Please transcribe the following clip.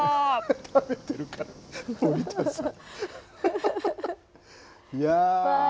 食べてるから、森田さん。